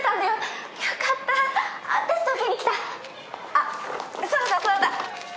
あっそうだそうだ。